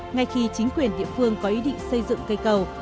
ngay khi chính quyền địa phương có ý định xây dựng cây cầu